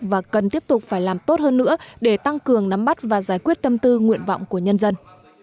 và cần tiếp tục phải làm tốt hơn nữa để tăng cường nắm bắt và giải quyết tâm tư nguyện vọng của nhân dân